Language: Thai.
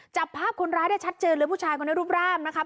จับภาพคนร้ายได้ชัดเจนเลยผู้ชายคนนี้รูปร่างนะครับ